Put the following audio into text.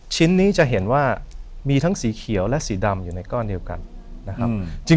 ชิ้นนี้จะเห็นว่ามีทั้งสีเขียวและสีดำอยู่ในก้อนเดียวกันนะครับ